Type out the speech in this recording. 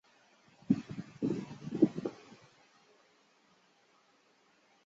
七世雪谦冉江仁波切是他的外孙。